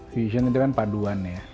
vision itu kan paduan ya